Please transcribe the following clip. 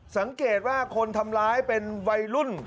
สังเกตว่าคนทำร้ายเป็นวัยรุ่น